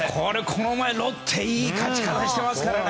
この前、ロッテいい勝ち方してますからね。